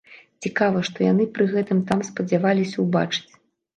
Цікава, што яны пры гэтым там спадзяваліся ўбачыць.